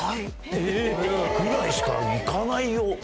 ぐらいしか行かないよ